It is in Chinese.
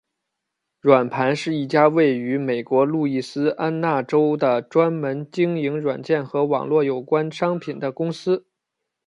软盘是一家位于美国路易斯安那州的专门经营软件和网络有关商品的公司。